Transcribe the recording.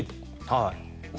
はい。